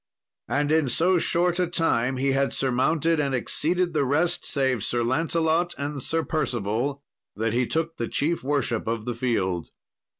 And in so short a time he had surmounted and exceeded the rest, save Sir Lancelot and Sir Percival, that he took the chief worship of the field.